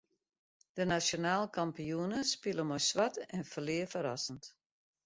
De nasjonaal kampioene spile mei swart en ferlear ferrassend.